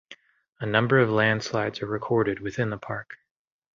A number of landslides are recorded within the park.